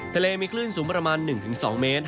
ทะเลมีคลื่นสูงประมาณ๑๒เมตร